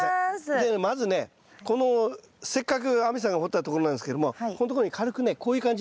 でまずねこのせっかく亜美さんが掘ったところなんですけどもここんとこに軽くねこういう感じ。